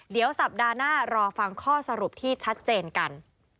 เดี๋ยวสัปดาห์หน้ารอฟังข้อสรุปที่ชัดเจนกัน